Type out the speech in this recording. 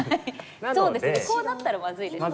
そうですねこうなったらまずいですね。